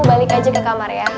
balik aja ke kamar ya